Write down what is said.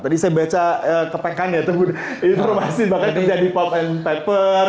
tadi saya baca kepekannya itu masih bahkan kerja di pop and paper